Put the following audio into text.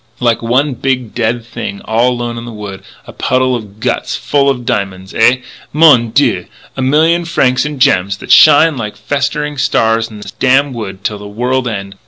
like one big dead thing all alone in the wood.... A puddle of guts full of diamonds! Ah! mon dieu! a million francs in gems that shine like festering stars in this damn wood till the world end.